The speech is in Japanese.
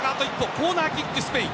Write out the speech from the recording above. コーナーキック、スペイン。